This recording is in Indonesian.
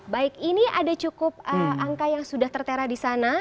baik ini ada cukup angka yang sudah tertera di sana